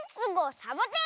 サボテン」！